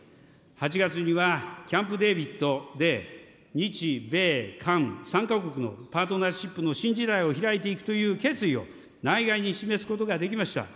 ８月にはキャンプ・デービッドで日米韓３か国のパートナーシップの新時代をひらいていくという決意を内外に示すことができました。